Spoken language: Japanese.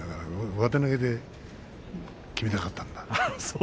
上手投げで決めたかったんだ。